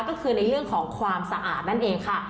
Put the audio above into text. ก็คือในเรื่องของความสะอาดนั่นเองค่ะ